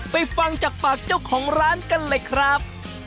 ฟังจากปากเจ้าของร้านกันเลยครับ